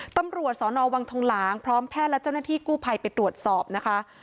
ตำรวจสนวังทองหลางพร้อมแพทย์และเจ้าหน้าที่กู้ภัยไปตรวจสอบนะคะ